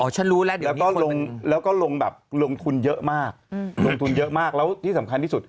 ใช่แล้วก็ลงแบบลงทุนเยอะมากลงทุนเยอะมากแล้วที่สำคัญที่สุด